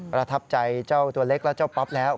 ประทับใจเจ้าตัวเล็กและเจ้าป๊อปแล้ว